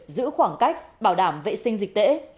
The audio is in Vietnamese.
giữ khoảng cách bảo đảm vệ sinh dịch tễ